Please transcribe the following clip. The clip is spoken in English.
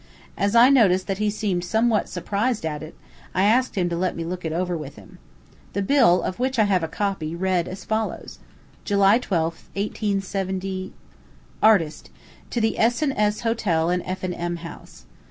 As I noticed that he seemed somewhat surprised at it, I asked him to let me look over it with him. The bill, of which I have a copy, read as follows: July 12th, 187 ARTIST, To the S. and S. Hotel and F. and M. House.